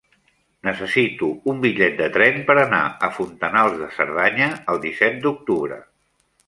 Necessito un bitllet de tren per anar a Fontanals de Cerdanya el disset d'octubre.